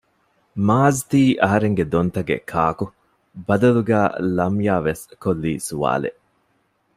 މާޒްތީ އަހަރެންގެ ދޮންތަގެ ކާކު؟ ބަދަލުގައި ލަމްޔާވެސް ކޮށްލީ ސުވާލެއް